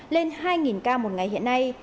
lên hai ca một ngày hiện nay